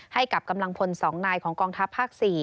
ให้กับกำลังพล๒นายของกองทัพภาค๔